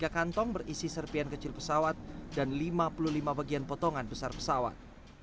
tiga kantong berisi serpian kecil pesawat dan lima puluh lima bagian potongan besar pesawat